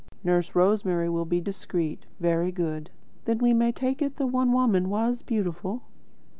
"Nurse Rosemary will be discreet. Very good. Then we may take it the One Woman was beautiful?"